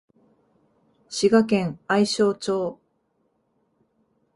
滋賀県愛荘町